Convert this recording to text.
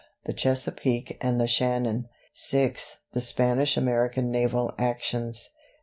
"The Chesapeake and the Shannon." VI. "The Spanish American Naval Actions."